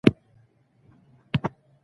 د کورنۍ سره ګډه ډوډۍ خوړل اړیکې ټینګوي.